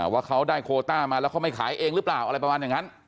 ว่าเขาได้โคต้ามาแล้วเขาไม่ขายเองหรือเปล่าอะไรประมาณอย่างนั้น